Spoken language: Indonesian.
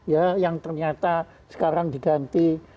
ya yang ternyata sekarang diganti